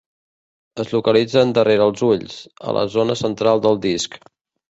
Es localitzen darrere els ulls, a la zona central del disc.